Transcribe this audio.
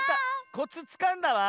コツつかんだわ。